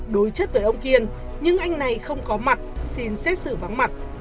đối chất với ông kiên nhưng anh này không có mặt xin xét xử vắng mặt